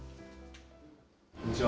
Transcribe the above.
こんにちは。